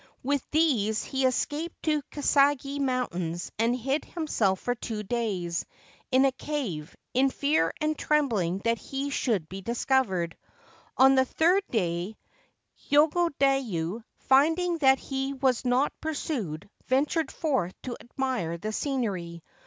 With these he escaped to Kasagi Mountain, and hid himself for two days in a cave, in fear and trembling that he should be discovered. On the third day Yogodayu, finding that he was not pursued, ventured forth to admire the scenery.